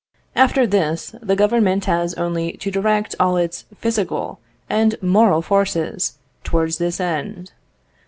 After this, the Government has only to direct all its physical and moral forces towards this end.